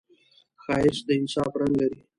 ښایست د انصاف رنګ لري